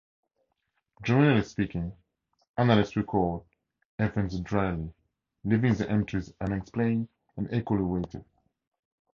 Generally speaking, annalists record events drily, leaving the entries unexplained and equally weighted.